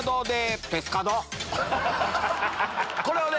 これをね